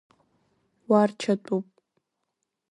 Уарчатәуп.